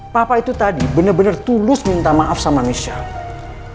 papa itu tadi benar benar tulus minta maaf sama michelle